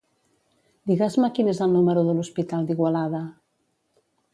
Digues-me quin és el número de l'hospital d'Igualada.